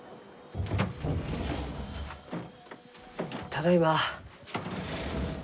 ただいま。